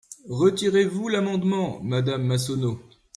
Retirez-vous l’amendement, madame Massonneau ?